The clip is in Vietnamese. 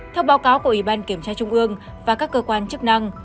theo báo cáo của ủy ban kiểm tra trung ương và các cơ quan chức năng